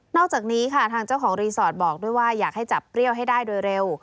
อกจากนี้ค่ะทางเจ้าของรีสอร์ทบอกด้วยว่าอยากให้จับเปรี้ยวให้ได้โดยเร็ว